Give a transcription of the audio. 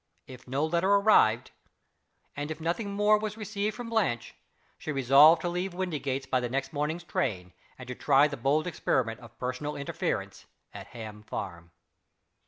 If no letter arrived, and if nothing more was received from Blanche, she resolved to leave Windygates by the next morning's train, and to try the bold experiment of personal interference at Ham Farm.